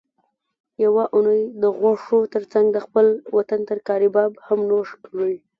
یوه اونۍ د غوښو ترڅنګ د خپل وطن ترکاري باب هم نوش کړئ